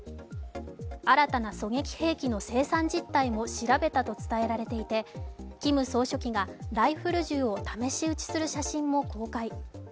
新たな狙撃兵器の生産実態も調べたと伝えられていて、キム総書記がライフル銃を試し打ちする写真も公開。